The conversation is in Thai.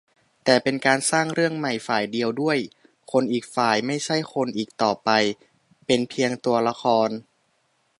แต่เป็นการสร้างเรื่องใหม่ฝ่ายเดียวด้วย คนอีกฝ่ายไม่ใช่คนอีกต่อไป เป็นเพียงตัวละคร